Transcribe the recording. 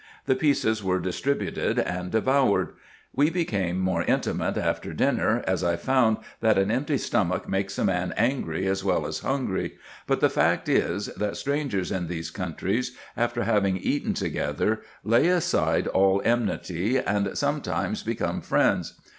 The pieces were distributed and devoured. We became more intimate after dinner, as I found that an empty stomach makes a man angry as well as hungry; but the fact is, that strangers in these countries, after IN EGYPT, NUBIA, &c. 407 having eaten together, lay aside all enmity, and sometimes become friends.